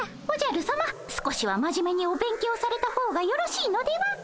おじゃるさま少しは真面目にお勉強された方がよろしいのでは？